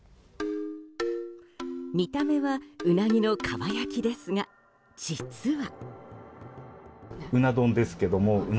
見た目はウナギのかば焼きですが実は。